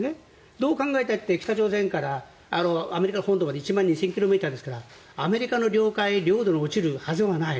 どう考えたって北朝鮮からアメリカ本土まで１万２０００ｋｍですからアメリカの領海・領土に落ちるはずがない。